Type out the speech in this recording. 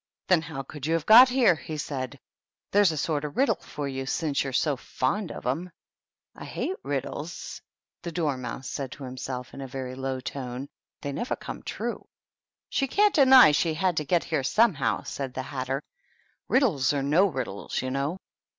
" Then how could you have got here ?" he said. " That's a sort of a riddle for you, since you're so fond of 'em." " I hate riddles," the Dormouse said to himself, in a very low tone. " They never come true." " She can't deny she had to get here somehow," said the Hatter, "riddles or no riddles, you know."